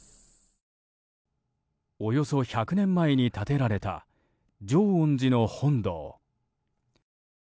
およそ１００年前に建てられた浄恩寺の本堂。